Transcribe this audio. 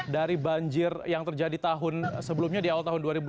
dari banjir yang terjadi tahun sebelumnya di awal tahun dua ribu dua puluh